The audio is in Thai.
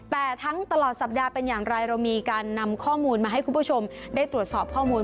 แต่ทั้งตลอดสัปดาห์เป็นอย่างไรเรามีการนำข้อมูลมาให้คุณผู้ชมได้ตรวจสอบข้อมูล